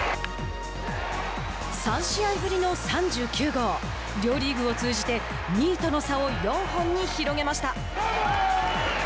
３試合ぶりの３９号両リーグを通じて２位との差を４本に広げました。